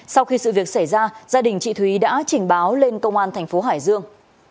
sau khi sự việc xảy ra gia đình chị thúy đã trình báo lên công an thành phố hải dương